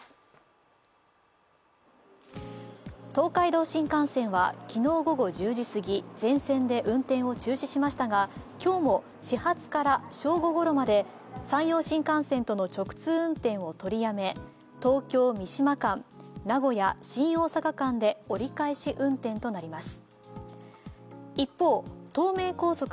東海道新幹線は昨日午後１０時すぎ、全線で運転を中止しましたが今日も始発から正午ごろまで山陽新幹線との直通運転を取りやめ、東京−三島間名古屋−新大阪間で折り返し運転となります。